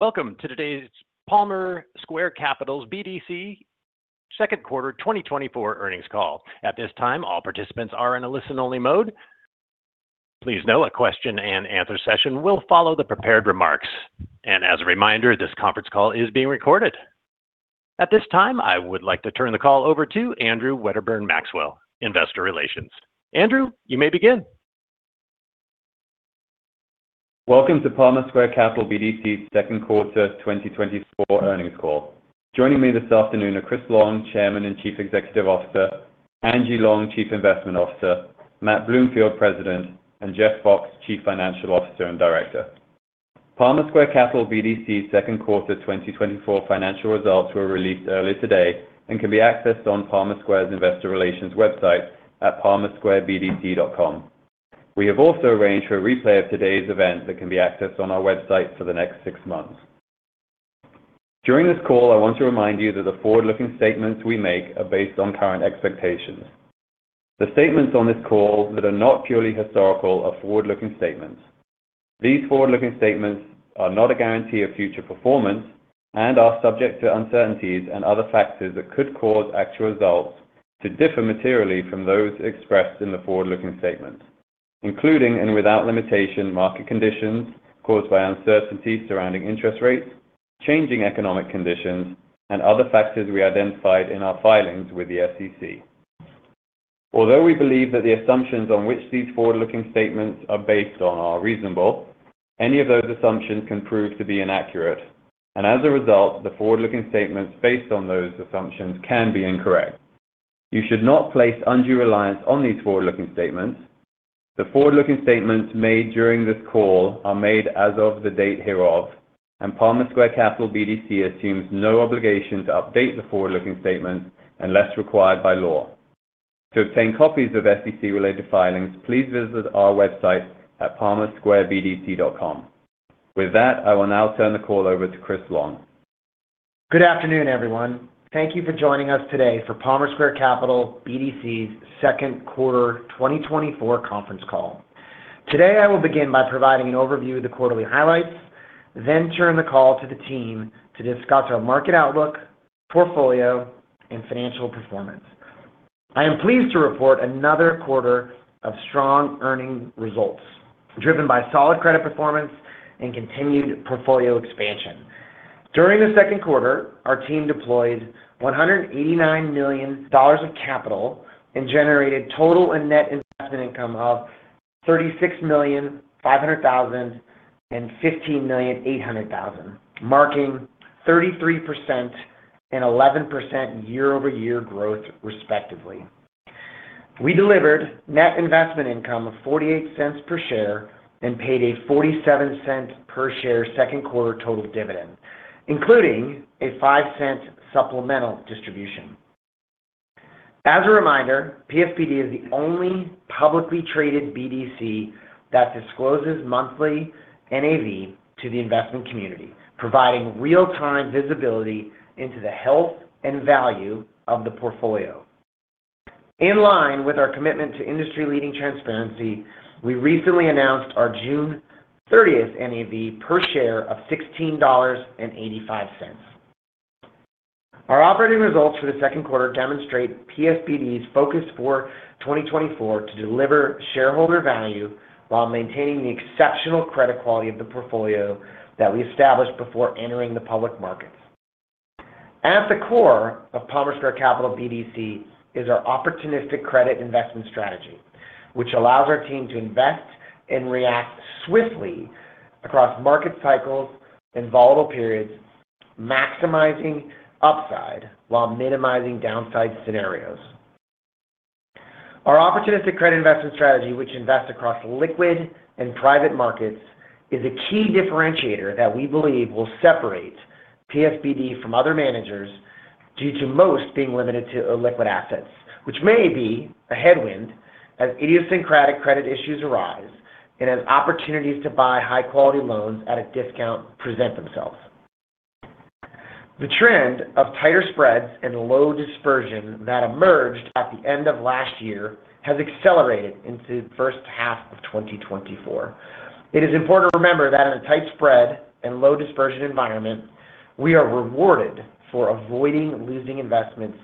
Welcome to today's Palmer Square Capital's BDC's second quarter 2024 earnings call. At this time, all participants are in a listen-only mode. Please note, a question and answer session will follow the prepared remarks. As a reminder, this conference call is being recorded. At this time, I would like to turn the call over to Andrew Wedderburn-Maxwell, Investor Relations. Andrew, you may begin. Welcome to Palmer Square Capital BDC's second quarter 2024 earnings call. Joining me this afternoon are Chris Long, Chairman and Chief Executive Officer, Angie Long, Chief Investment Officer, Matt Bloomfield, President, and Jeff Fox, Chief Financial Officer and Director. Palmer Square Capital BDC's second quarter 2024 financial results were released earlier today and can be accessed on Palmer Square's Investor Relations website at palmersquarebdc.com. We have also arranged for a replay of today's event that can be accessed on our website for the next six months. During this call, I want to remind you that the forward-looking statements we make are based on current expectations. The statements on this call that are not purely historical are forward-looking statements. These forward-looking statements are not a guarantee of future performance and are subject to uncertainties and other factors that could cause actual results to differ materially from those expressed in the forward-looking statements, including and without limitation, market conditions caused by uncertainties surrounding interest rates, changing economic conditions, and other factors we identified in our filings with the SEC. Although we believe that the assumptions on which these forward-looking statements are based on are reasonable, any of those assumptions can prove to be inaccurate. As a result, the forward-looking statements based on those assumptions can be incorrect. You should not place undue reliance on these forward-looking statements. The forward-looking statements made during this call are made as of the date hereof, and Palmer Square Capital BDC assumes no obligation to update the forward-looking statements unless required by law. To obtain copies of SEC-related filings, please visit our website at palmersquarebdc.com. With that, I will now turn the call over to Chris Long. Good afternoon, everyone. Thank you for joining us today for Palmer Square Capital BDC's second quarter 2024 conference call. Today, I will begin by providing an overview of the quarterly highlights, then turn the call to the team to discuss our market outlook, portfolio, and financial performance. I am pleased to report another quarter of strong earning results, driven by solid credit performance and continued portfolio expansion. During the second quarter, our team deployed $189 million of capital and generated total and net investment income of $36,500,000 and $15,800,000, marking 33% and 11% year-over-year growth, respectively. We delivered net investment income of $0.48 per share and paid a $0.47 per share second quarter total dividend, including a $0.05 supplemental distribution. As a reminder, PSBD is the only publicly traded BDC that discloses monthly NAV to the investment community, providing real-time visibility into the health and value of the portfolio. In line with our commitment to industry-leading transparency, we recently announced our June 30th NAV per share of $16.85. Our operating results for the second quarter demonstrate PSBD's focus for 2024 to deliver shareholder value while maintaining the exceptional credit quality of the portfolio that we established before entering the public markets. At the core of Palmer Square Capital BDC is our opportunistic credit investment strategy, which allows our team to invest and react swiftly across market cycles and volatile periods, maximizing upside while minimizing downside scenarios. Our opportunistic credit investment strategy, which invests across liquid and private markets, is a key differentiator that we believe will separate PSBD from other managers due to most being limited to illiquid assets, which may be a headwind as idiosyncratic credit issues arise and as opportunities to buy high-quality loans at a discount present themselves. The trend of tighter spreads and low dispersion that emerged at the end of last year has accelerated into the first half of 2024. It is important to remember that in a tight spread and low dispersion environment, we are rewarded for avoiding losing investments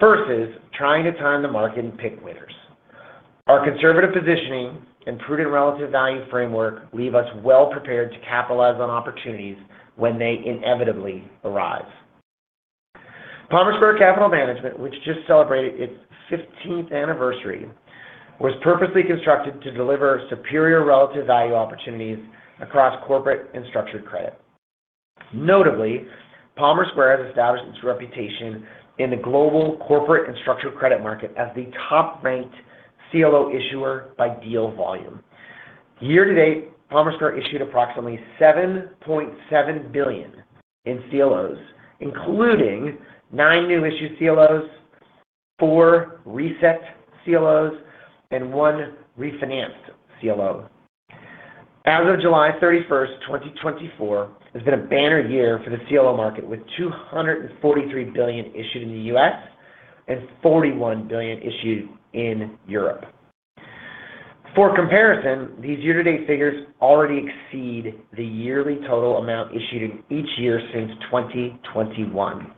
versus trying to time the market and pick winners. Our conservative positioning and proven relative value framework leave us well prepared to capitalize on opportunities when they inevitably arise. Palmer Square Capital Management, which just celebrated its 15th anniversary, was purposely constructed to deliver superior relative value opportunities across corporate and structured credit. Notably, Palmer Square has established its reputation in the global corporate and structured credit market as the top-ranked CLO issuer by deal volume. Year-to-date, Palmer Square issued approximately $7.7 billion in CLOs, including nine new issued CLOs, four reset CLOs, and one refinanced CLO. As of July 31st, 2024, it's been a banner year for the CLO market, with $243 billion issued in the U.S. and $41 billion issued in Europe. For comparison, these year-to-date figures already exceed the yearly total amount issued each year since 2021.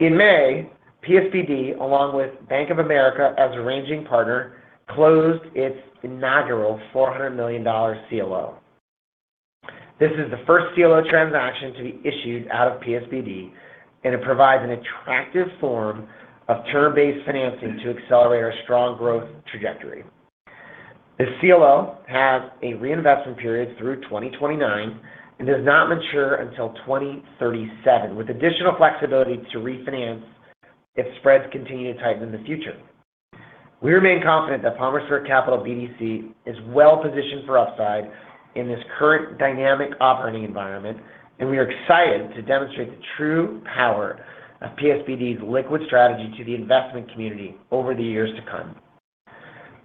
In May, PSBD, along with Bank of America as arranging partner, closed its inaugural $400 million CLO. This is the first CLO transaction to be issued out of PSBD. It provides an attractive form of term-based financing to accelerate our strong growth trajectory. The CLO has a reinvestment period through 2029 and does not mature until 2037, with additional flexibility to refinance if spreads continue to tighten in the future. We remain confident that Palmer Square Capital BDC is well-positioned for upside in this current dynamic operating environment. We are excited to demonstrate the true power of PSBD's liquid strategy to the investment community over the years to come.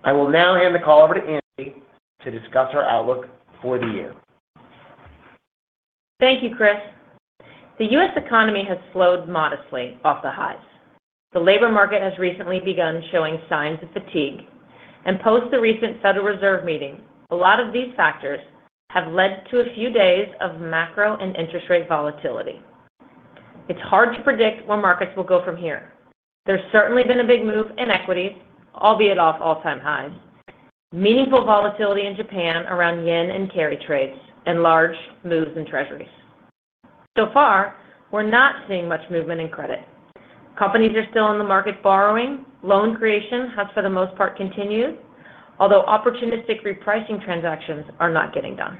I will now hand the call over to Angie to discuss our outlook for the year. Thank you, Chris. The U.S. economy has slowed modestly off the highs. The labor market has recently begun showing signs of fatigue. Post the recent Federal Reserve meeting, a lot of these factors have led to a few days of macro and interest rate volatility. It's hard to predict where markets will go from here. There's certainly been a big move in equities, albeit off all-time highs, meaningful volatility in Japan around yen and carry trades, large moves in Treasuries. So far, we're not seeing much movement in credit. Companies are still in the market borrowing. Loan creation has, for the most part, continued, although opportunistic repricing transactions are not getting done.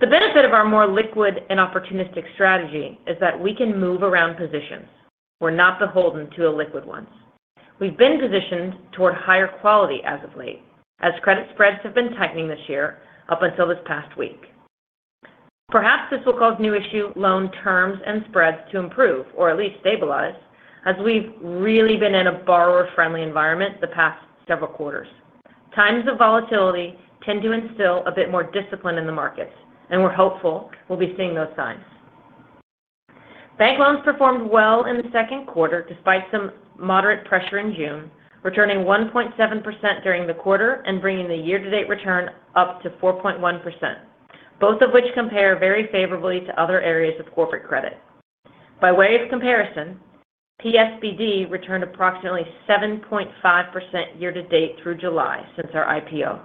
The benefit of our more liquid and opportunistic strategy is that we can move around positions. We're not beholden to illiquid ones. We've been positioned toward higher quality as of late, as credit spreads have been tightening this year up until this past week. Perhaps this will cause new issue loan terms and spreads to improve, or at least stabilize, as we've really been in a borrower-friendly environment the past several quarters. Times of volatility tend to instill a bit more discipline in the markets. We're hopeful we'll be seeing those signs. Bank loans performed well in the second quarter despite some moderate pressure in June, returning 1.7% during the quarter and bringing the year-to-date return up to 4.1%, both of which compare very favorably to other areas of corporate credit. By way of comparison, PSBD returned approximately 7.5% year-to-date through July since our IPO.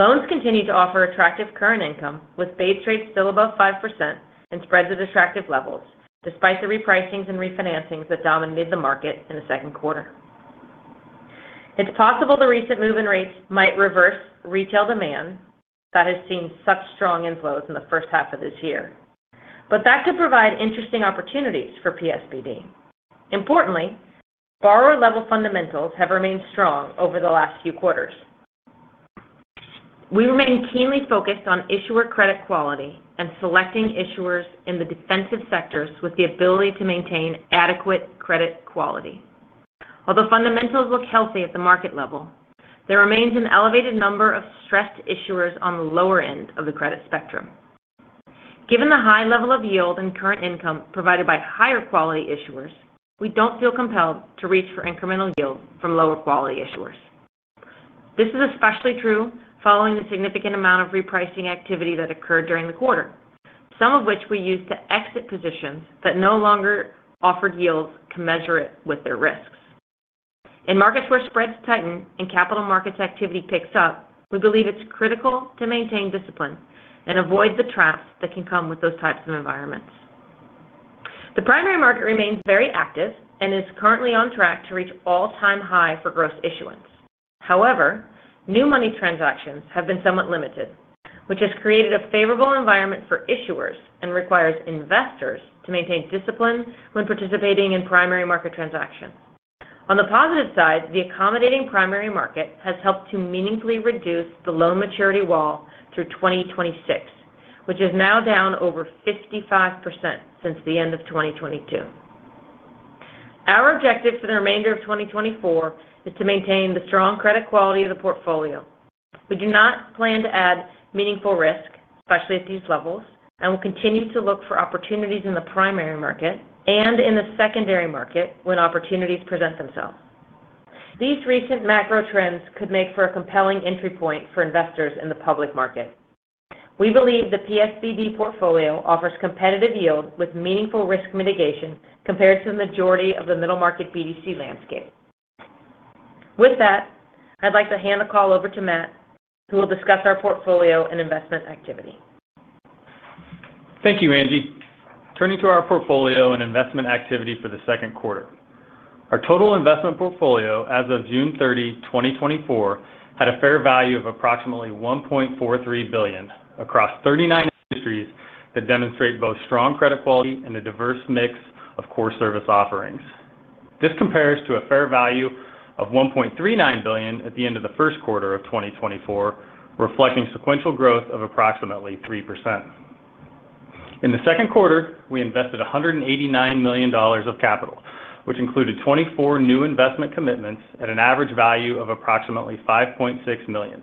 Loans continue to offer attractive current income, with base rates still above 5% and spreads at attractive levels, despite the repricings and refinancings that dominated the market in the second quarter. It's possible the recent move in rates might reverse retail demand that has seen such strong inflows in the first half of this year. That could provide interesting opportunities for PSBD. Importantly, borrower-level fundamentals have remained strong over the last few quarters. We remain keenly focused on issuer credit quality and selecting issuers in the defensive sectors with the ability to maintain adequate credit quality. Although fundamentals look healthy at the market level, there remains an elevated number of stressed issuers on the lower end of the credit spectrum. Given the high level of yield and current income provided by higher-quality issuers, we don't feel compelled to reach for incremental yield from lower-quality issuers. This is especially true following the significant amount of repricing activity that occurred during the quarter, some of which we used to exit positions that no longer offered yields commensurate with their risks. In markets where spreads tighten and capital markets activity picks up, we believe it's critical to maintain discipline and avoid the traps that can come with those types of environments. The primary market remains very active and is currently on track to reach all-time high for gross issuance. New money transactions have been somewhat limited, which has created a favorable environment for issuers and requires investors to maintain discipline when participating in primary market transactions. On the positive side, the accommodating primary market has helped to meaningfully reduce the loan maturity wall through 2026, which is now down over 55% since the end of 2022. Our objective for the remainder of 2024 is to maintain the strong credit quality of the portfolio. We do not plan to add meaningful risk, especially at these levels, and will continue to look for opportunities in the primary market and in the secondary market when opportunities present themselves. These recent macro trends could make for a compelling entry point for investors in the public market. We believe the PSBD portfolio offers competitive yield with meaningful risk mitigation compared to the majority of the middle market BDC landscape. With that, I'd like to hand the call over to Matt, who will discuss our portfolio and investment activity. Thank you, Angie. Turning to our portfolio and investment activity for the second quarter. Our total investment portfolio as of June 30, 2024 had a fair value of approximately $1.43 billion across 39 industries that demonstrate both strong credit quality and a diverse mix of core service offerings. This compares to a fair value of $1.39 billion at the end of the first quarter of 2024, reflecting sequential growth of approximately 3%. In the second quarter, we invested $189 million of capital, which included 24 new investment commitments at an average value of approximately $5.6 million.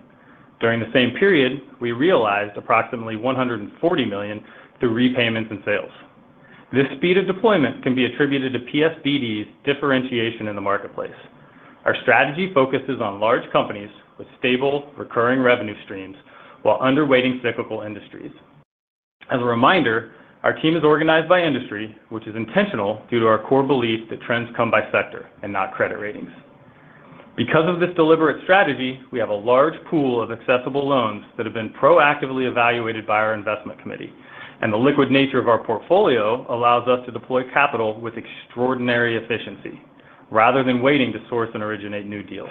During the same period, we realized approximately $140 million through repayments and sales. This speed of deployment can be attributed to PSBD's differentiation in the marketplace. Our strategy focuses on large companies with stable, recurring revenue streams while underweighting cyclical industries. As a reminder, our team is organized by industry, which is intentional due to our core belief that trends come by sector and not credit ratings. Because of this deliberate strategy, we have a large pool of accessible loans that have been proactively evaluated by our investment committee, and the liquid nature of our portfolio allows us to deploy capital with extraordinary efficiency rather than waiting to source and originate new deals.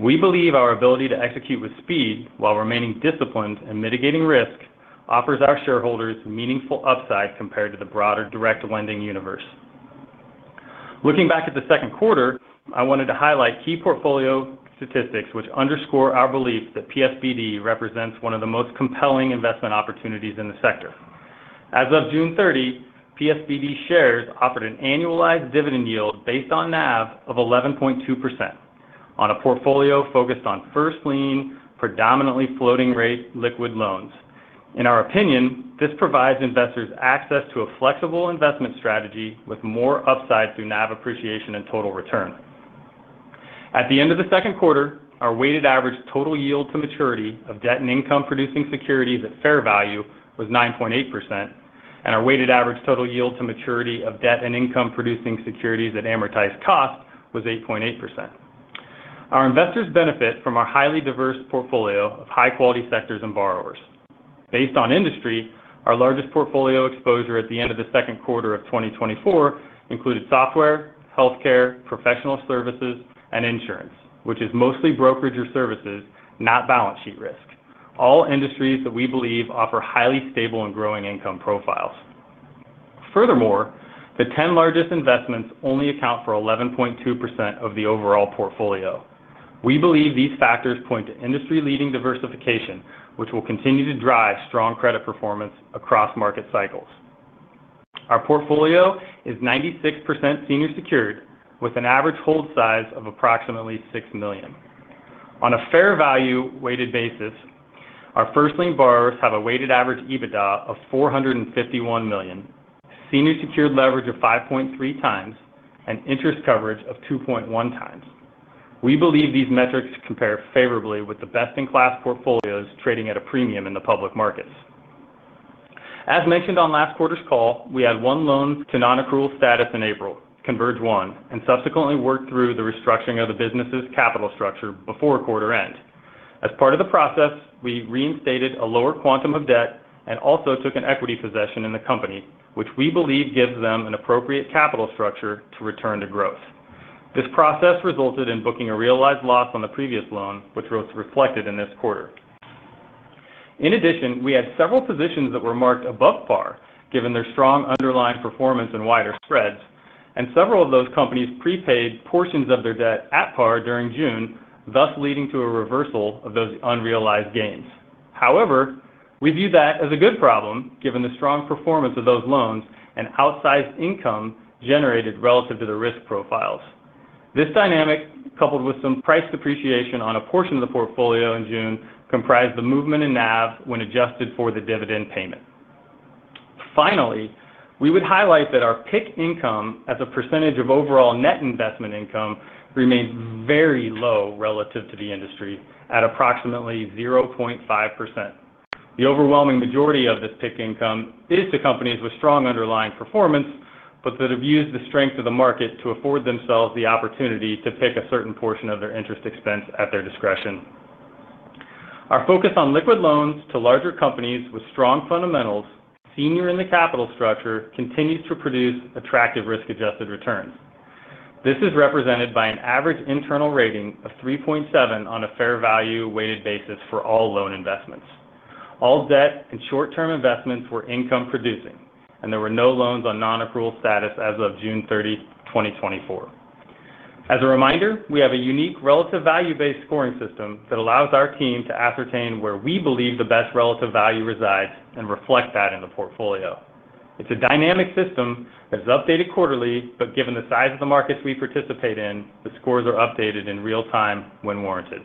We believe our ability to execute with speed while remaining disciplined and mitigating risk offers our shareholders meaningful upside compared to the broader direct lending universe. Looking back at the second quarter, I wanted to highlight key portfolio statistics which underscore our belief that PSBD represents one of the most compelling investment opportunities in the sector. As of June 30, PSBD shares offered an annualized dividend yield based on NAV of 11.2% on a portfolio focused on first-lien, predominantly floating rate liquid loans. In our opinion, this provides investors access to a flexible investment strategy with more upside through NAV appreciation and total return. At the end of the second quarter, our weighted average total yield to maturity of debt and income-producing securities at fair value was 9.8%, and our weighted average total yield to maturity of debt and income-producing securities at amortized cost was 8.8%. Our investors benefit from our highly diverse portfolio of high-quality sectors and borrowers. Based on industry, our largest portfolio exposure at the end of the second quarter of 2024 included software, healthcare, professional services, and insurance, which is mostly brokerage or services, not balance sheet risk. All industries that we believe offer highly stable and growing income profiles. The ten largest investments only account for 11.2% of the overall portfolio. We believe these factors point to industry-leading diversification, which will continue to drive strong credit performance across market cycles. Our portfolio is 96% senior secured with an average hold size of approximately $6 million. On a fair value weighted basis, our first-lien borrowers have a weighted average EBITDA of $451 million, senior secured leverage of 5.3 times, and interest coverage of 2.1 times. We believe these metrics compare favorably with the best-in-class portfolios trading at a premium in the public markets. As mentioned on last quarter's call, we had one loan to non-accrual status in April, ConvergeOne, and subsequently worked through the restructuring of the business's capital structure before quarter end. As part of the process, we reinstated a lower quantum of debt and also took an equity possession in the company, which we believe gives them an appropriate capital structure to return to growth. This process resulted in booking a realized loss on the previous loan, which was reflected in this quarter. We had several positions that were marked above par given their strong underlying performance and wider spreads, and several of those companies prepaid portions of their debt at par during June, thus leading to a reversal of those unrealized gains. We view that as a good problem given the strong performance of those loans and outsized income generated relative to the risk profiles. This dynamic, coupled with some price depreciation on a portion of the portfolio in June, comprised the movement in NAV when adjusted for the dividend payment. We would highlight that our PIK income as a percentage of overall net investment income remains very low relative to the industry at approximately 0.5%. The overwhelming majority of this PIK income is to companies with strong underlying performance but that have used the strength of the market to afford themselves the opportunity to pick a certain portion of their interest expense at their discretion. Our focus on liquid loans to larger companies with strong fundamentals, senior in the capital structure, continues to produce attractive risk-adjusted returns. This is represented by an average internal rating of 3.7 on a fair value weighted basis for all loan investments. All debt and short-term investments were income-producing, and there were no loans on non-accrual status as of June 30, 2024. As a reminder, we have a unique relative value-based scoring system that allows our team to ascertain where we believe the best relative value resides and reflect that in the portfolio. It's a dynamic system that's updated quarterly, but given the size of the markets we participate in, the scores are updated in real time when warranted.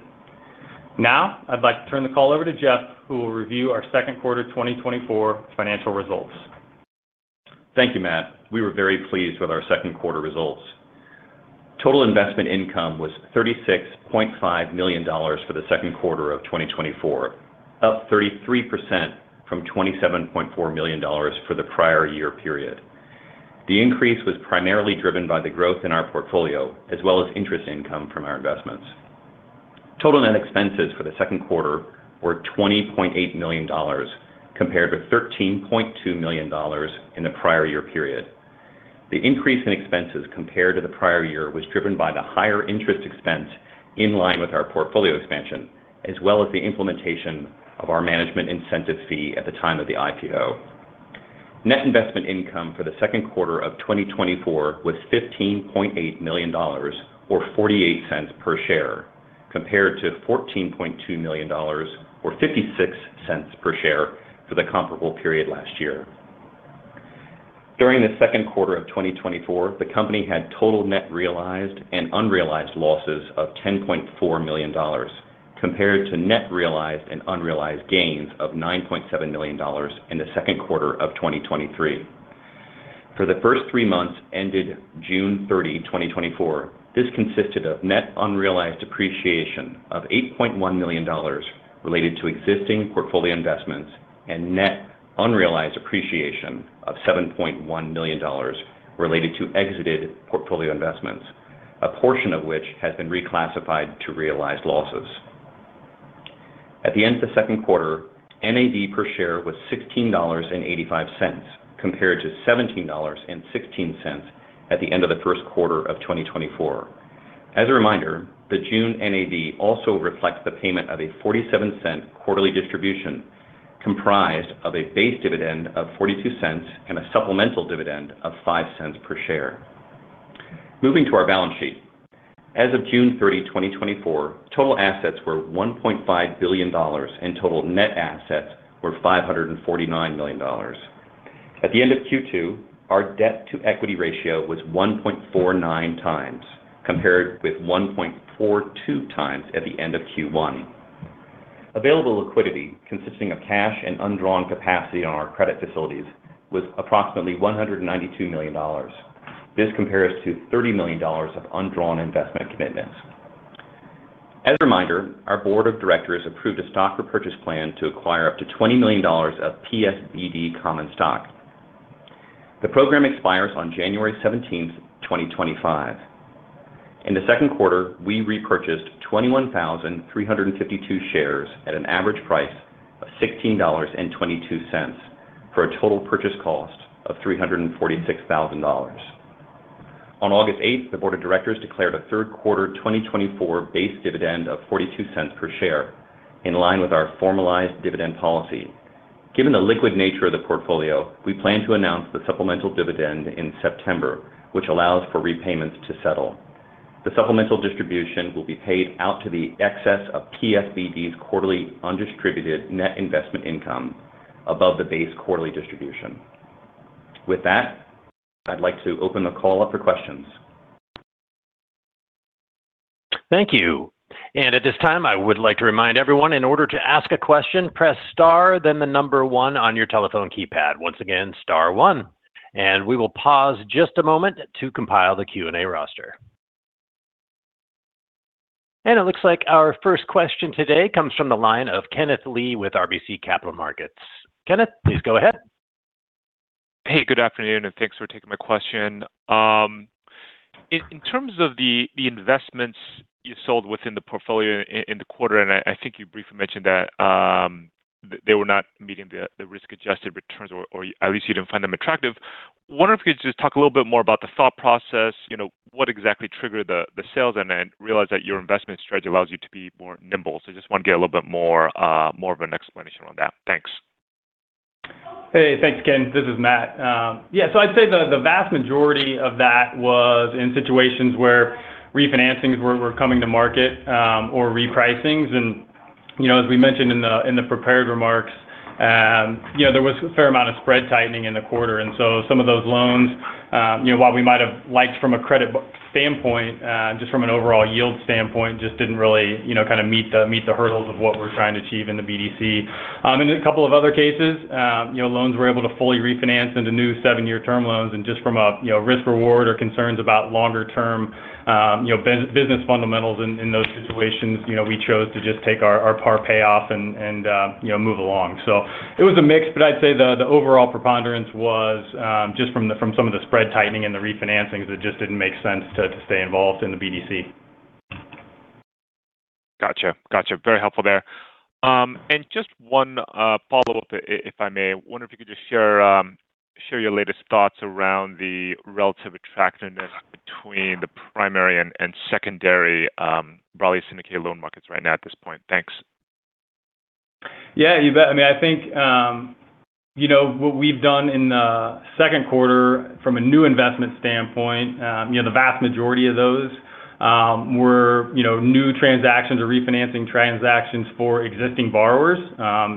I'd like to turn the call over to Jeff, who will review our second quarter 2024 financial results. Thank you, Matt. We were very pleased with our second quarter results. Total investment income was $36.5 million for the second quarter of 2024, up 33% from $27.4 million for the prior year period. The increase was primarily driven by the growth in our portfolio, as well as interest income from our investments. Total net expenses for the second quarter were $20.8 million, compared to $13.2 million in the prior year period. The increase in expenses compared to the prior year was driven by the higher interest expense in line with our portfolio expansion, as well as the implementation of our management incentive fee at the time of the IPO. Net investment income for the second quarter of 2024 was $15.8 million or $0.48 per share, compared to $14.2 million or $0.56 per share for the comparable period last year. During the second quarter of 2024, the company had total net realized and unrealized losses of $10.4 million. Compared to net realized and unrealized gains of $9.7 million in the second quarter of 2023. For the first three months ended June 30, 2024, this consisted of net unrealized appreciation of $8.1 million related to existing portfolio investments and net unrealized appreciation of $7.1 million related to exited portfolio investments, a portion of which has been reclassified to realized losses. At the end of the second quarter, NAV per share was $16.85, compared to $17.16 at the end of the first quarter of 2024. As a reminder, the June NAV also reflects the payment of a $0.47 quarterly distribution, comprised of a base dividend of $0.42 and a supplemental dividend of $0.05 per share. Moving to our balance sheet. As of June 30, 2024, total assets were $1.5 billion, and total net assets were $549 million. At the end of Q2, our debt-to-equity ratio was 1.49 times, compared with 1.42 times at the end of Q1. Available liquidity, consisting of cash and undrawn capacity on our credit facilities, was approximately $192 million. This compares to $30 million of undrawn investment commitments. As a reminder, our board of directors approved a stock repurchase plan to acquire up to $20 million of PSBD common stock. The program expires on January 17th, 2025. In the second quarter, we repurchased 21,352 shares at an average price of $16.22 for a total purchase cost of $346,000. On August 8th, the board of directors declared a third quarter 2024 base dividend of $0.42 per share, in line with our formalized dividend policy. Given the liquid nature of the portfolio, we plan to announce the supplemental dividend in September, which allows for repayments to settle. The supplemental distribution will be paid out to the excess of PSBD's quarterly undistributed net investment income above the base quarterly distribution. With that, I'd like to open the call up for questions. Thank you. At this time, I would like to remind everyone, in order to ask a question, press star, then the number one on your telephone keypad. Once again, star one. We will pause just a moment to compile the Q&A roster. It looks like our first question today comes from the line of Kenneth Lee with RBC Capital Markets. Kenneth, please go ahead. Hey, good afternoon, thanks for taking my question. In terms of the investments you sold within the portfolio in the quarter, I think you briefly mentioned that they were not meeting the risk-adjusted returns, or at least you didn't find them attractive. Wonder if you could just talk a little bit more about the thought process, what exactly triggered the sales, then realized that your investment strategy allows you to be more nimble. Just want to get a little bit more of an explanation on that. Thanks. Hey, thanks, Ken. This is Matt. Yeah. I'd say the vast majority of that was in situations where refinancings were coming to market, or repricings. As we mentioned in the prepared remarks, there was a fair amount of spread tightening in the quarter. Some of those loans, while we might have liked from a credit standpoint, just from an overall yield standpoint, just didn't really meet the hurdles of what we're trying to achieve in the BDC. In a couple of other cases, loans we were able to fully refinance into new seven-year term loans, just from a risk-reward or concerns about longer term business fundamentals in those situations, we chose to just take our par payoff and move along. It was a mix, but I'd say the overall preponderance was just from some of the spread tightening and the refinancings, it just didn't make sense to stay involved in the BDC. Got you. Very helpful there. Just one follow-up, if I may. I wonder if you could just share your latest thoughts around the relative attractiveness between the primary and secondary broadly syndicated loan markets right now at this point. Thanks. Yeah, you bet. I think what we've done in the second quarter from a new investment standpoint, the vast majority of those were new transactions or refinancing transactions for existing borrowers.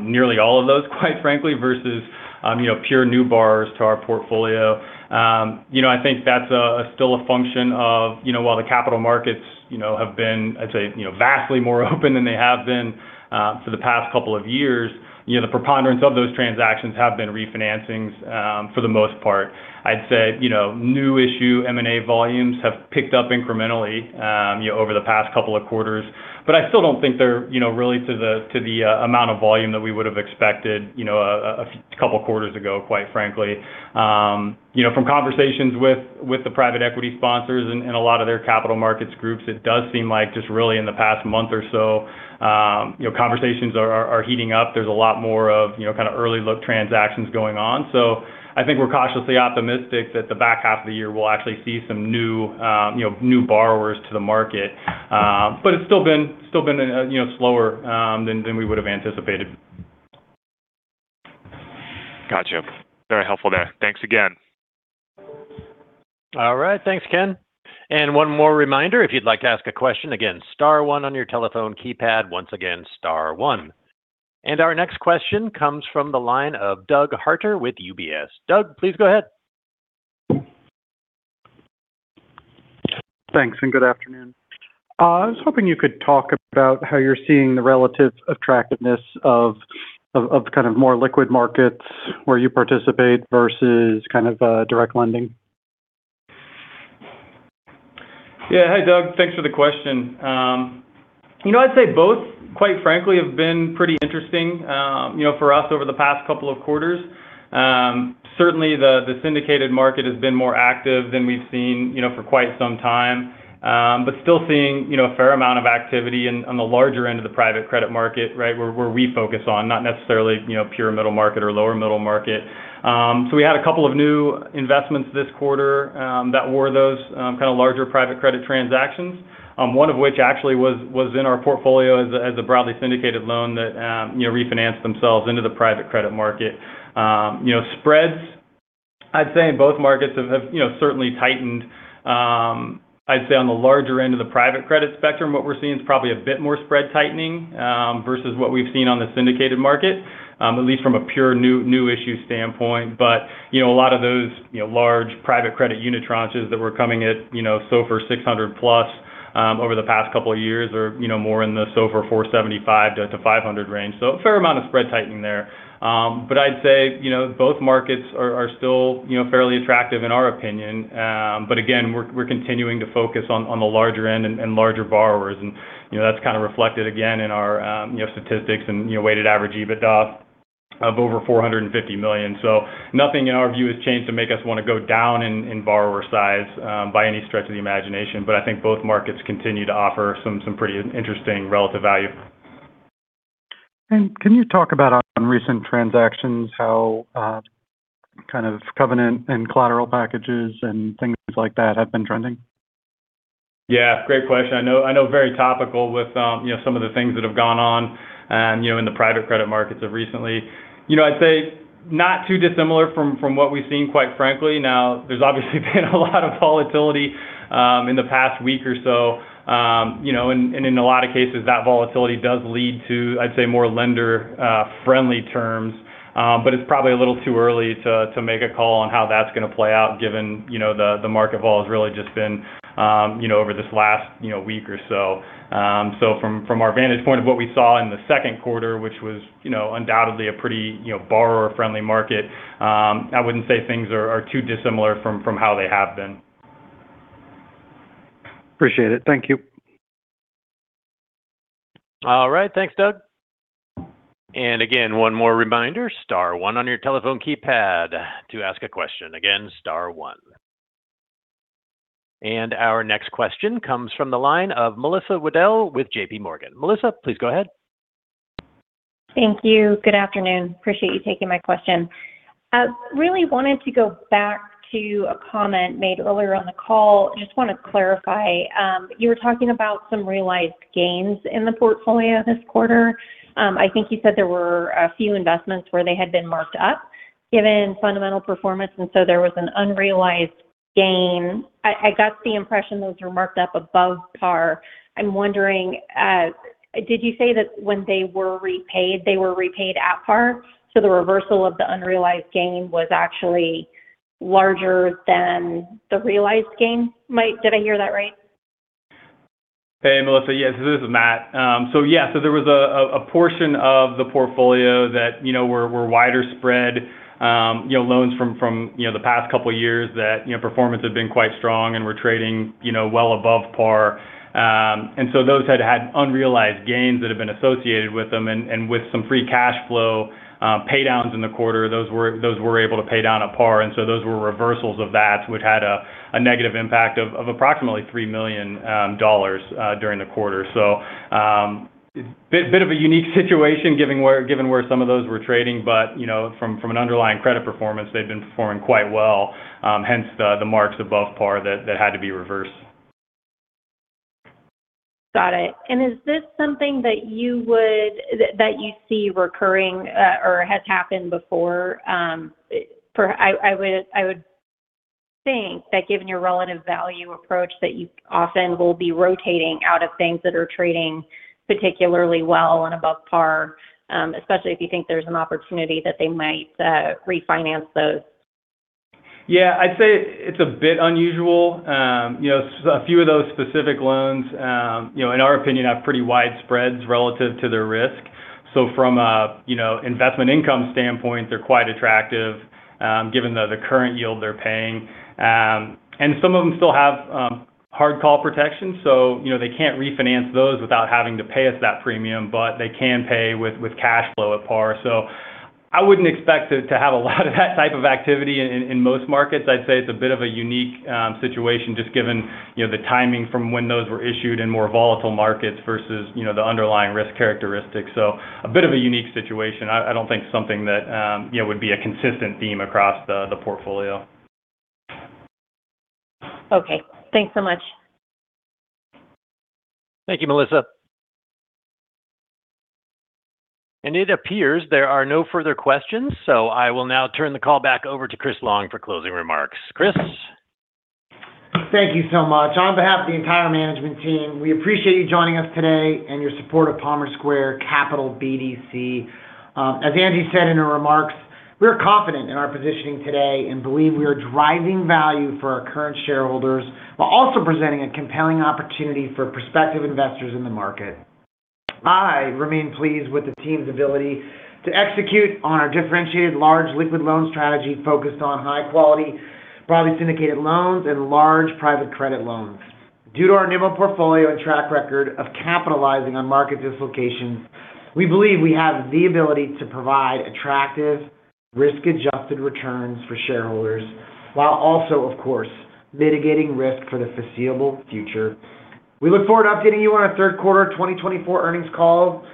Nearly all of those, quite frankly, versus pure new borrowers to our portfolio. I think that's still a function of while the capital markets have been, I'd say, vastly more open than they have been for the past couple of years, the preponderance of those transactions have been refinancings for the most part. I'd say new issue M&A volumes have picked up incrementally over the past couple of quarters, but I still don't think they're really to the amount of volume that we would have expected a couple quarters ago, quite frankly. From conversations with the private equity sponsors and a lot of their capital markets groups, it does seem like just really in the past month or so, conversations are heating up. There's a lot more of early look transactions going on. I think we're cautiously optimistic that the back half of the year we'll actually see some new borrowers to the market. It's still been slower than we would have anticipated. Got you. Very helpful there. Thanks again. All right. Thanks, Ken. One more reminder, if you'd like to ask a question, again, star one on your telephone keypad. Once again, star one. Our next question comes from the line of Doug Harter with UBS. Doug, please go ahead. Thanks, and good afternoon. I was hoping you could talk about how you're seeing the relative attractiveness of more liquid markets where you participate versus direct lending. Yeah. Hi, Doug. Thanks for the question. I'd say both, quite frankly, have been pretty interesting for us over the past couple of quarters. Certainly, the syndicated market has been more active than we've seen for quite some time. Still seeing a fair amount of activity on the larger end of the private credit market, where we focus on, not necessarily pure middle market or lower middle market. We had a couple of new investments this quarter that were those kind of larger private credit transactions. One of which actually was in our portfolio as a broadly syndicated loan that refinanced themselves into the private credit market. Spreads, I'd say in both markets have certainly tightened. I'd say on the larger end of the private credit spectrum, what we're seeing is probably a bit more spread tightening versus what we've seen on the syndicated market. At least from a pure new issue standpoint. A lot of those large private credit unitranches that were coming at SOFR 600-plus over the past couple of years are more in the SOFR 475-500 range. A fair amount of spread tightening there. I'd say both markets are still fairly attractive in our opinion. Again, we're continuing to focus on the larger end and larger borrowers. That's kind of reflected, again, in our statistics and weighted average EBITDA of over $450 million. Nothing in our view has changed to make us want to go down in borrower size by any stretch of the imagination. I think both markets continue to offer some pretty interesting relative value. Can you talk about on recent transactions how kind of covenant and collateral packages and things like that have been trending? Yeah. Great question. I know very topical with some of the things that have gone on in the private credit markets of recently. I'd say not too dissimilar from what we've seen, quite frankly. Now, there's obviously been a lot of volatility in the past week or so. In a lot of cases, that volatility does lead to, I'd say, more lender-friendly terms. It's probably a little too early to make a call on how that's going to play out given the market fall has really just been over this last week or so. From our vantage point of what we saw in the second quarter, which was undoubtedly a pretty borrower-friendly market, I wouldn't say things are too dissimilar from how they have been. Appreciate it. Thank you. All right. Thanks, Doug. Again, one more reminder, star one on your telephone keypad to ask a question. Again, star one. Our next question comes from the line of Melissa Weddle with J.P. Morgan. Melissa, please go ahead. Thank you. Good afternoon. Appreciate you taking my question. Really wanted to go back to a comment made earlier on the call. Just want to clarify. You were talking about some realized gains in the portfolio this quarter. I think you said there were a few investments where they had been marked up given fundamental performance, and so there was an unrealized gain. I got the impression those were marked up above par. I'm wondering, did you say that when they were repaid, they were repaid at par? So the reversal of the unrealized gain was actually larger than the realized gain? Did I hear that right? Hey, Melissa. Yes, this is Matt. Yeah. There was a portion of the portfolio that were wider spread loans from the past couple of years that performance had been quite strong and were trading well above par. Those had unrealized gains that have been associated with them, and with some free cash flow pay-downs in the quarter, those were able to pay down at par. Those were reversals of that, which had a negative impact of approximately $3 million during the quarter. Bit of a unique situation given where some of those were trading. From an underlying credit performance, they'd been performing quite well. Hence the marks above par that had to be reversed. Got it. Is this something that you see recurring or has happened before? I would think that given your relative value approach, that you often will be rotating out of things that are trading particularly well and above par, especially if you think there's an opportunity that they might refinance those. Yeah. I'd say it's a bit unusual. A few of those specific loans in our opinion have pretty wide spreads relative to their risk. From an investment income standpoint, they're quite attractive given the current yield they're paying. Some of them still have hard call protection, so they can't refinance those without having to pay us that premium, but they can pay with cash flow at par. I wouldn't expect to have a lot of that type of activity in most markets. I'd say it's a bit of a unique situation just given the timing from when those were issued in more volatile markets versus the underlying risk characteristics. A bit of a unique situation. I don't think something that would be a consistent theme across the portfolio. Okay. Thanks so much. Thank you, Melissa. It appears there are no further questions, I will now turn the call back over to Chris Long for closing remarks. Chris? Thank you so much. On behalf of the entire management team, we appreciate you joining us today and your support of Palmer Square Capital BDC. As Angie said in her remarks, we are confident in our positioning today and believe we are driving value for our current shareholders, while also presenting a compelling opportunity for prospective investors in the market. I remain pleased with the team's ability to execute on our differentiated large liquid loan strategy focused on high quality, broadly syndicated loans, and large private credit loans. Due to our nimble portfolio and track record of capitalizing on market dislocations, we believe we have the ability to provide attractive risk-adjusted returns for shareholders, while also, of course, mitigating risk for the foreseeable future. We look forward to updating you on our third quarter 2024 earnings call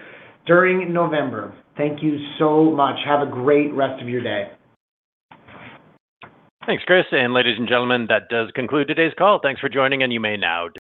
during November. Thank you so much. Have a great rest of your day. Thanks, Chris. Ladies and gentlemen, that does conclude today's call. Thanks for joining, and you may now disconnect.